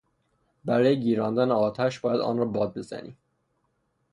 برای گیراندن آتش باید آن را باد بزنی.